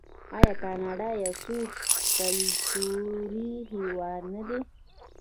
آیا کاناډا یو څو کلتوری هیواد نه دی؟